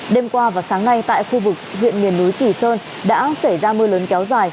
đêm qua và sáng nay tại khu vực huyện miền núi kỳ sơn đã xảy ra mưa lớn kéo dài